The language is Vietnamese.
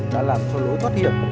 đã làm cho lối thoát hiểm